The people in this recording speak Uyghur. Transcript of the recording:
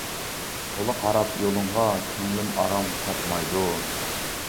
تولا قاراپ يولۇڭغا، كۆڭلۈم ئارام تاپمايدۇ.